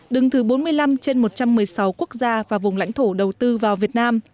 đứng thứ bốn mươi năm trên một trăm một mươi sáu quốc gia và vùng lãnh thổ đầu tư vào việt nam